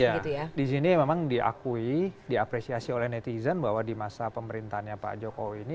ya di sini memang diakui diapresiasi oleh netizen bahwa di masa pemerintahnya pak jokowi ini